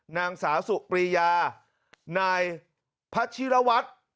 นางสาวสุปรียานายพัชิรวัตร